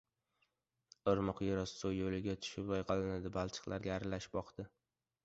Irmoq yerosti suv yoʻliga tushib, loyqalandi, balchiqlarga aralashib oqdi.